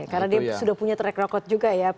karena dia sudah punya track record juga ya